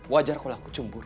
wajar kalau aku cemburu